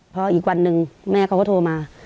พออีกวันหนึ่งแม่เขาก็โทรมา